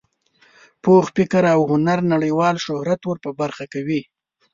پوخ فکر او هنر نړیوال شهرت ور په برخه کوي.